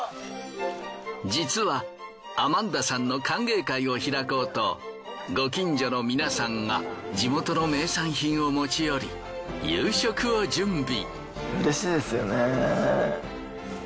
実はアマンダさんの歓迎会を開こうとご近所の皆さんが地元の名産品を持ち寄り夕食を準備。